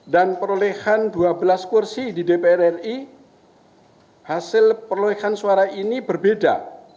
dan perolehan dua belas kursi di dprri hasil perolehan suara ini berbeda